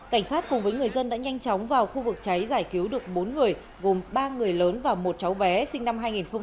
cảnh sát cùng với người dân đã nhanh chóng vào khu vực cháy giải cứu được bốn người gồm ba người lớn và một cháu bé sinh năm hai nghìn một mươi ba